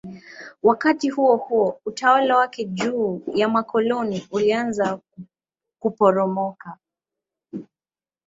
Wakati huohuo utawala wake juu ya makoloni ulianza kuporomoka.